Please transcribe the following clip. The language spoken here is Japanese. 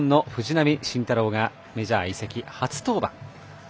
そして日本の藤浪晋太郎がメジャー移籍初登板。